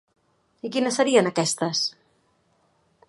I quines serien aquestes?